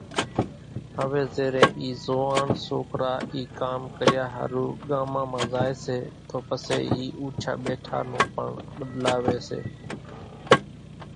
هويَ زيرين اِي زوئاڻ سوڪرا اِي ڪام ڪريا ۿارُو ڳامان زائيَ سيَ تو پسيَ اِي اوٺِيا ٻيٺا نون پڻ ٻۮلاوِي سي۔